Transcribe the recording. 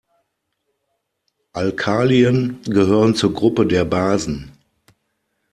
Alkalien gehören zur Gruppe der Basen.